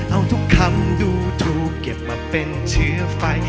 เอาทุกคำดูถูกเก็บมาเป็นเชื้อไฟ